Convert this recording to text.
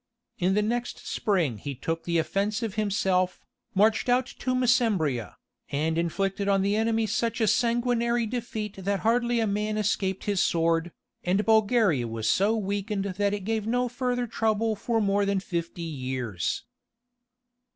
In the next spring he took the offensive himself, marched out to Mesembria, and inflicted on the enemy such a sanguinary defeat that hardly a man escaped his sword, and Bulgaria was so weakened that it gave no further trouble for more than fifty years.